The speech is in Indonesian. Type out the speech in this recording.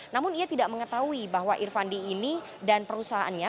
namun ia tidak mengetahui bahwa irvandi ini dan perusahaannya